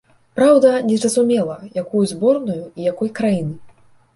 Праўда, незразумела, якую зборную і якой краіны.